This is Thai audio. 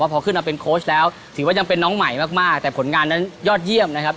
แต่พอขึ้นมาเป็นโค้ชแล้วที่ให้นองใหม่มากแต่ผลงานนั้นยอดเยี่ยมนะครับ